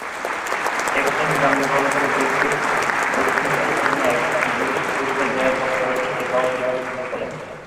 টেক্সাসে জন্মগ্রহণকারী গ্রিফিথ দক্ষিণ ক্যালিফোর্নিয়ায় একটি সুন্দরী প্রতিযোগিতা জয়ের পর চলচ্চিত্র কর্মজীবন শুরু করেন।